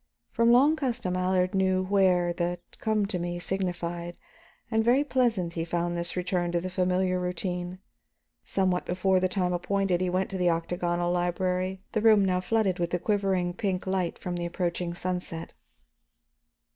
From long custom Allard knew where the "come to me" signified, and very pleasant he found his return to the familiar routine. Somewhat before the time appointed, he went to the octagonal library, the room now flooded with quivering pink light from the approaching sunset.